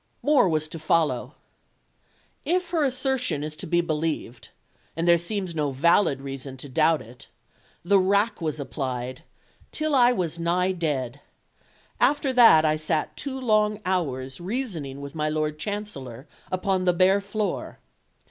More was to follow. If her assertion is to be believed and there seems no valid reason to doubt it the rack was applied "till I was nigh dead.... After that I sat two long hours reasoning with my Lord Chancellor upon the bare floor.